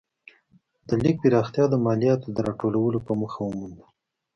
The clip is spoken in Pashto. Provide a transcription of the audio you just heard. د لیک پراختیا د مالیاتو د راټولولو په موخه ومونده.